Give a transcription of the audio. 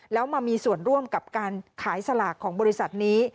แล้วมามีส่วนร่วมกับการขายสลากของบริษัทนี้